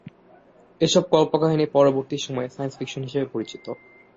এসব কল্পকাহিনী পরবর্তী সময়ে 'সাইন্স ফিকশন' হিসেবে পরিচিত।